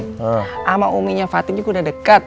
sama uminya fatih juga udah dekat